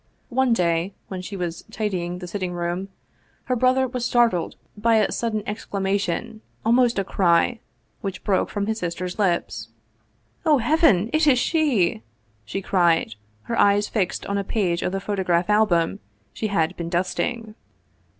One day, when she was tidying the sitting room, her brother was startled by a sudden exclamation, almost a cry, which broke from his sister's lips. " Oh, heaven, it is she !" she cried, her eyes fixed on a page of the photograph album she had been dusting.